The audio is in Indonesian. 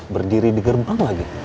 berdiri di gerbang lagi